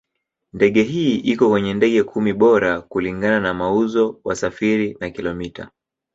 Ndege hii iko kwenye ndege kumi bora kulingana na mauzo, wasafiri na kilomita.